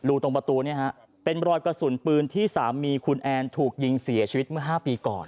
ตรงประตูเนี่ยฮะเป็นรอยกระสุนปืนที่สามีคุณแอนถูกยิงเสียชีวิตเมื่อ๕ปีก่อน